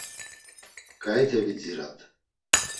Ǩaite vidzirat!